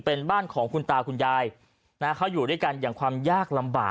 เป็นบ้านของคุณตาคุณยายนะเขาอยู่ด้วยกันอย่างความยากลำบาก